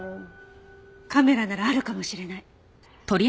カメラならあるかもしれない。